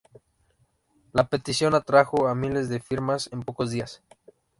La petición atrajo a miles de firmas en pocos días.